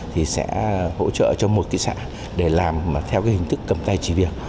thì sẽ hỗ trợ cho một kỳ xã để làm theo cái hình thức cầm tay chỉ việc